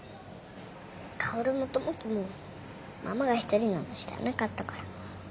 薫も友樹もママが１人なの知らなかったから。